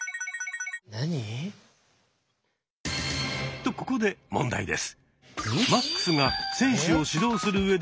とここで問題です。